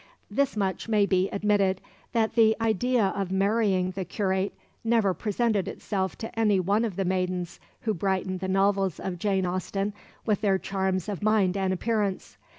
This much may be admitted, that the idea of marrying the curate never presented itself to any one of the maidens who brighten the novels of Jane Austen with their charms of mind and appearance.